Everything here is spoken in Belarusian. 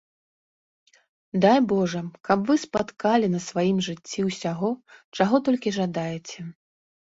Дай божа, каб вы спаткалі на сваім жыцці ўсяго, чаго толькі жадаеце!